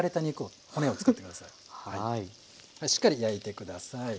しっかり焼いて下さい。